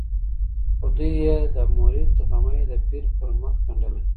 خو دوى يې د مريد غمى د پير پر مخ ګنډلی